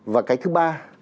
và cái thứ ba